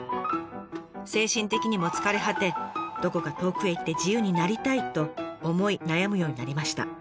精神的にも疲れ果てどこか遠くへ行って自由になりたいと思い悩むようになりました。